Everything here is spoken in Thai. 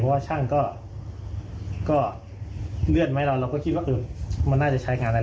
เพราะว่าช่างก็เลื่อนไหมเราเราก็คิดว่ามันน่าจะใช้งานอะไร